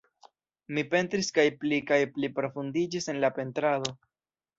Mi pentris kaj pli kaj pli profundiĝis en la pentrado.